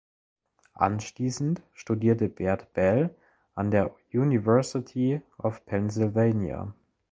Anschließend studierte Bert Bell an der University of Pennsylvania.